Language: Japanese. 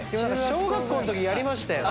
小学校の時やりましたね。